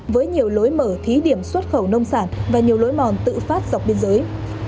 với nhiều lối mở thí điểm xuất khẩu nông sản và nhiều lối mòn tự phát dọc biên giới